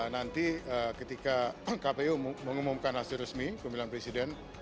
nanti ketika kpu mengumumkan hasil resmi pemilihan presiden